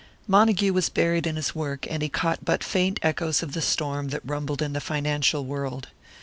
Montague was buried in his work, and he caught but faint echoes of the storm that rumbled in the financial world.